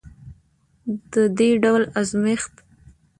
د دې ډول ازمیښت